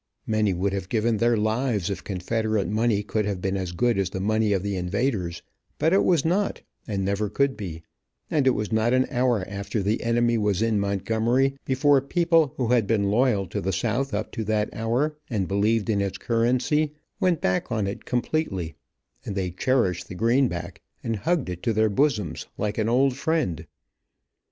Many would have given their lives if confederate money could have been as good as the money of the invaders, but it was not and never could be, and it was not an hour after the enemy was in Montgomery before people who had been loyal to the south up to that hour and believed in its currency, went back on it completely, and they cherished the greenback and hugged it to their bosoms like an old friend.